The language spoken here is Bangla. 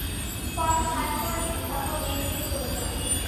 ফর্মে সাইন করে দিন, তারপর মেয়েকে নিয়ে চলে যান।